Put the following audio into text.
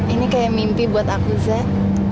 ini kayak mimpi buat aku sih